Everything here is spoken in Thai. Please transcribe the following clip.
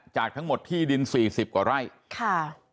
จากทั้งหมดที่ดินสี่สิบกว่าไร่ค่ะ